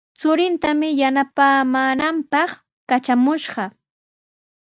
Churintami yanapaamaananpaq katramushqa.